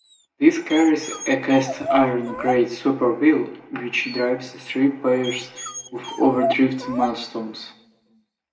This carries a cast-iron Great Spur Wheel which drives three pairs of overdrift millstones.